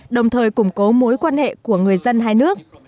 đồng thời củng cố mối quan hệ của người dân hai nước